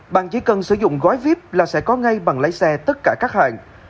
bạn chỉ cần sử dụng gói viếp là sẽ có ngay bằng lái xe tất cả các hạn